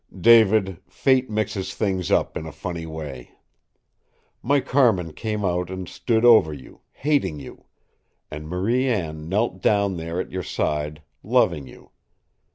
"David, fate mixes things up in a funny way. My Carmin came out and stood over you, hating you; and Marie Anne knelt down there at your side, loving you.